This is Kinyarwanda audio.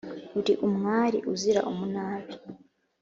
Uri umwari uzira umunabi